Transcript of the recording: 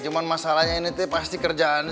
cuman masalahnya ini tuh pasti kerjaan